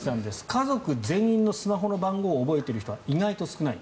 家族全員のスマホの番号を覚えてる人は意外と少ない。